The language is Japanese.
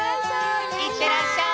いってらっしゃい！